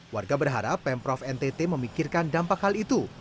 warga berharap pemprov ntt memikirkan dampak hal itu